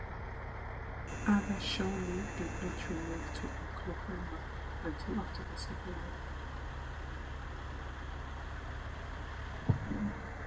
Other Shawnee did not remove to Oklahoma until after the Civil War.